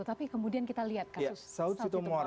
tapi kemudian kita lihat kasus saat itu